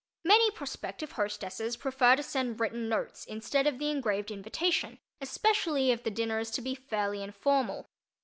Many prospective hostesses prefer to send written notes instead of the engraved invitation, especially if the dinner is to be fairly informal.